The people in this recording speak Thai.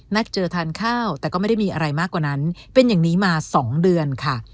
นัดเจอทานข้าวแต่ก็ไม่ได้มีอะไรมากกว่านั้นเป็นอย่างนี้มา๒เดือนค่ะ